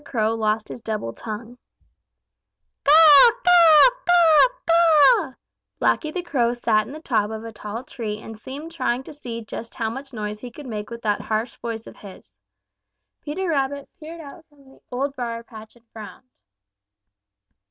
CROW LOST HIS DOUBLE TONGUE "Caw, caw, caw, caw!" Blacky the Crow sat in the top of a tall tree and seemed trying to see just how much noise he could make with that harsh voice of his. Peter Rabbit peered out from the dear Old Briar patch and frowned.